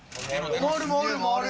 回る回る。